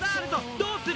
どうする？